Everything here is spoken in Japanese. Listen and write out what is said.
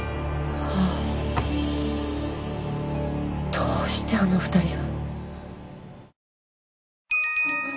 どうしてあの２人が。